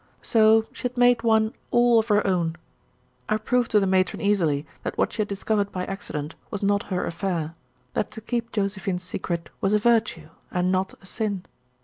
So she had made one all of her own. I proved to the Matron easily that what she had discovered by accident was not her affair, that to keep Josephine's secret was a virtue, and not a sin.